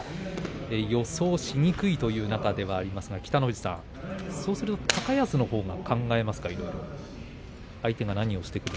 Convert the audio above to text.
予想しにくいという中ではありますが、北の富士さん高安のほうが考えますか？